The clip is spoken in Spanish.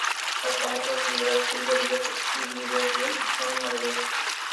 Las famosas librerías Gibert Joseph y Gibert Jeune son unas de ellas.